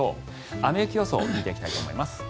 雨・雪予想見ていきたいと思います。